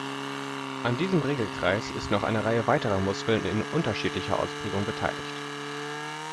An diesem Regelkreis ist noch eine Reihe weiterer Muskeln in unterschiedlicher Ausprägung beteiligt.